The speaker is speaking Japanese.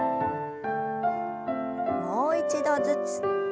もう一度ずつ。